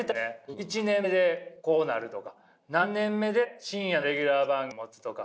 １年目でこうなるとか何年目で深夜のレギュラー番組を持つとか。